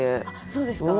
そうですか？